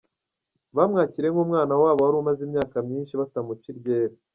Bamwakiriye nk’umwana wabo wari umaze imyaka myinshi batamuca iryera.